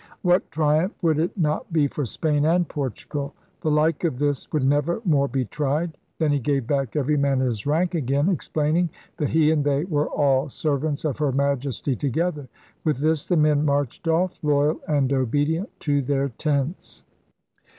What triumph would it not be for Spain and Por tugal! The like of this would never more be tried.' Then he gave back every man his rank again, explaining that he and they were all ser vants of Her Majesty together. With this the men marched off, loyal and obedient, to their tents.